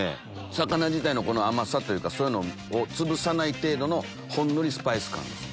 魚自体の甘さというかそういうのをつぶさない程度のほんのりスパイス感です